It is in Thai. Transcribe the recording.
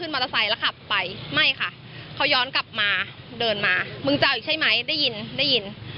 ไม่ค่ะเขาย้อนกลับมาเดินมามึงจะเอาอีกใช่ไหมได้ยินได้ยิน